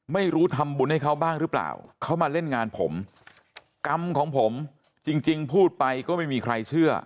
ไม่รู้ทำบุญให้เขาบ้างหรือเปล่าเขามาเล่นงานผมกรรมของผมจริงพูดไปก็ไม่มีใครเชื่อ